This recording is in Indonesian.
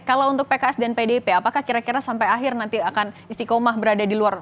kalau untuk pks dan pdip apakah kira kira sampai akhir nanti akan istiqomah berada di luar